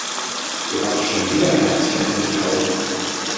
Du hast schon wieder Herzchen in den Augen.